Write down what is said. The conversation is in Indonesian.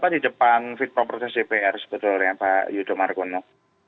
apa di depan fitra proses jpr sebetulnya pak yudho margono